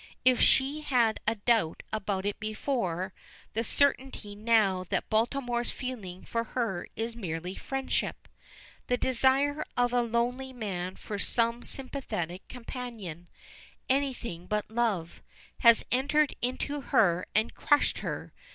If she had a doubt about it before, the certainty now that Baltimore's feeling for her is merely friendship the desire of a lonely man for some sympathetic companion anything but love, has entered into her and crushed her.